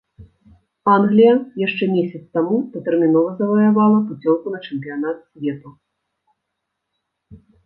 Англія яшчэ месяц таму датэрмінова заваявала пуцёўку на чэмпіянат свету.